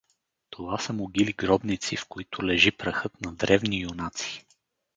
Това са могили-гробници, в които лежи прахът на древни юнаци.